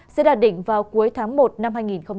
sẽ đạt đỉnh vào cuối tháng một năm hai nghìn hai mươi